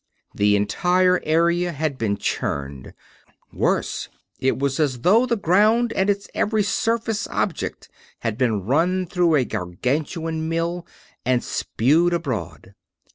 The entire area had been churned. Worse it was as though the ground and its every surface object had been run through a gargantuan mill and spewed abroad.